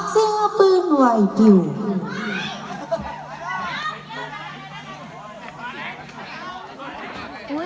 เสียมือหน่วยดิว